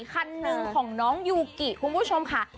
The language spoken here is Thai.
คันหนึ่งของน้องยูกิคุณผู้ชมค่ะ